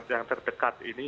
yang terdekat ini